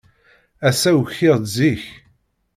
Ass-a, ukiɣ-d zik.